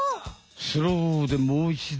スローでもういちど！